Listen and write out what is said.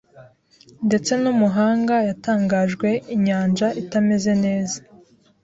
Ndetse n'umuhanga yatangajwe inyanja itameze neza